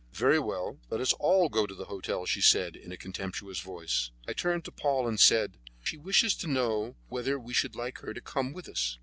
"Very well, let us all go to the hotel," she said, in a contemptuous voice. I turned to Paul, and said: "She wishes to know whether we should like her to come with us."